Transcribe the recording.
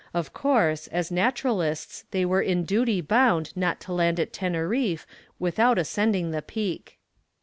Of course, as naturalists they were in duty bound not to land at Teneriffe without ascending the Peak.